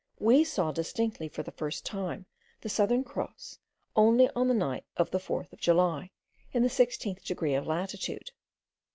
We saw distinctly for the first time the Southern Cross only on the night of the 4th of July, in the sixteenth degree of latitude.